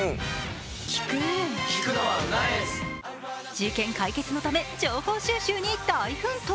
事件解決のため、情報収集に大奮闘。